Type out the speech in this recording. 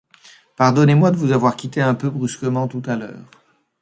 Pardonnez-moi de vous avoir quitté un peu brusquement tout à l'heure.